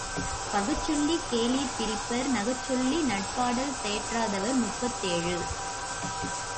பகச்சொல்லிக் கேளிர்ப் prepare நகச்சொல்வி நட்பாடல் தேற்றா தவர் முப்பத்தேழு.